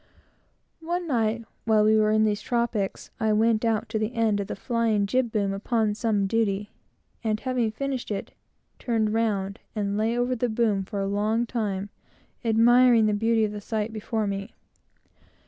One night, while we were in these tropics, I went out to the end of the flying jib boom, upon some duty, and, having finished it, turned round, and lay over the boom for a long time, admiring the beauty of the sight before me.